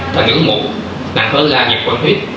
thần nữ mụ nặng hơn là nhiệt quả huyết